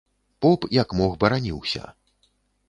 Поп, як мог, бараніўся.